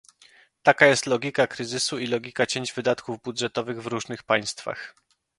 Taka jest logika kryzysu i logika cięć wydatków budżetowych w różnych państwach